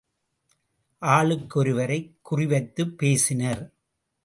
ஆளுக்கு ஒருவரைக் குறிவைத்துப் பேசினர்.